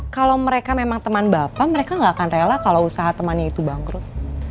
kalau mereka memang teman bapak mereka gak akan rela kalau usaha temannya itu bangkrut